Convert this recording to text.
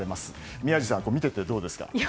宮司さん、見ていてどうですか？